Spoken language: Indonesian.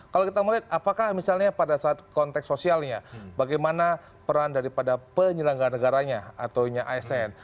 kalau kita melihat apakah misalnya pada saat konteks sosialnya bagaimana peran daripada penyelenggara negaranya ataunya asn